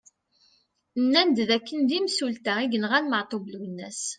Nnan-d d akken d imsulta i yenɣan Maɛtub Lwennas.